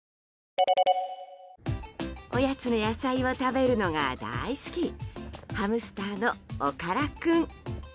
おやつの野菜を食べるのが大好きハムスターの、おから君。